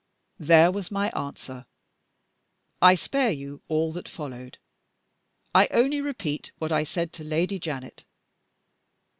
There was my answer. I spare you all that followed. I only repeat what I said to Lady Janet.